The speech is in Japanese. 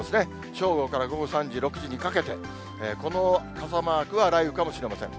正午から午後３時、６時にかけて、この傘マークは雷雨かもしれません。